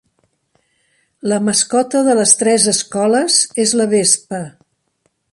La mascota de les tres escoles és la vespa.